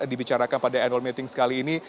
dibicarakan pada annual meeting sekali ini